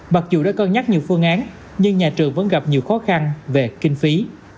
mặc dù đã cân nhắc nhiều phương án nhưng nhà trường vẫn gặp nhiều khó khăn về kinh phí